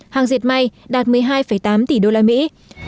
hàng diệt may đạt một mươi hai tám tỷ đô la mỹ